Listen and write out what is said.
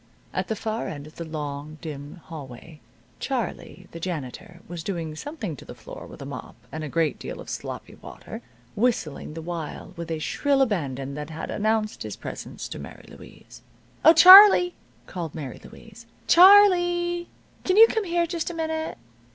At the far end of the long, dim hallway Charlie, the janitor, was doing something to the floor with a mop and a great deal of sloppy water, whistling the while with a shrill abandon that had announced his presence to Mary Louise. "Oh, Charlie!" called Mary Louise. "Charlee! Can you come here just a minute?"